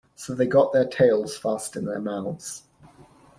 So they got their tails fast in their mouths.